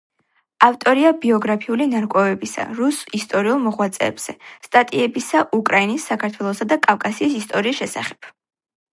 ავტორია ბიოგრაფიული ნარკვევებისა რუს ისტორიულ მოღვაწეებზე, სტატიებისა უკრაინის, საქართველოსა და კავკასიის ისტორიის შესახებ.